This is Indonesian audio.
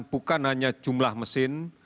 bukan hanya jumlah mesin